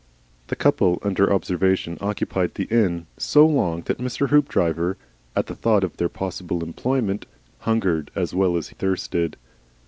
The couple under observation occupied the inn so long that Mr. Hoopdriver at the thought of their possible employment hungered as well as thirsted.